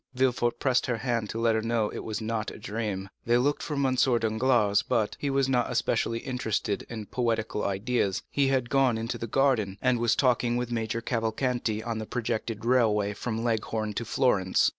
Villefort pressed her hand to let her know it was not a dream. They looked for M. Danglars, but, as he was not especially interested in poetical ideas, he had gone into the garden, and was talking with Major Cavalcanti on the projected railway from Leghorn to Florence.